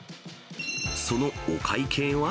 そのお会計は。